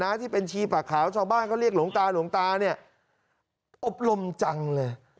ที่เป็นชีปากขาวชาวบ้านเขาเรียกหลวงตาหลวงตาเนี่ยอบรมจังเลย